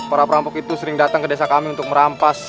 para perampok itu sering datang ke desa kami untuk merampas